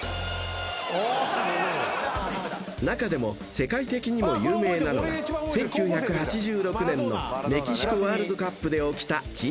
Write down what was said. ［中でも世界的にも有名なのが１９８６年のメキシコワールドカップで起きた珍事件］